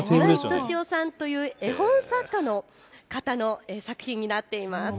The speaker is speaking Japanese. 岩井俊雄さんという絵本作家の方の作品になっています。